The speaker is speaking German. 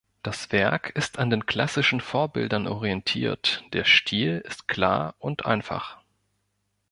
Das Werk ist an den klassischen Vorbildern orientiert, der Stil ist klar und einfach.